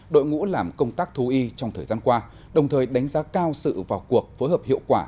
đội ngũ làm công tác thú y trong thời gian qua đồng thời đánh giá cao sự vào cuộc phối hợp hiệu quả